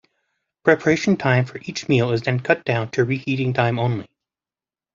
Preparation time for each meal is then cut down to reheating time only.